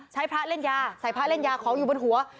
พระเล่นยาใส่พระเล่นยาของอยู่บนหัว